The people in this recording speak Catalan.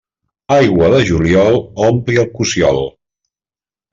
Aigua de juliol ompli el cossiol.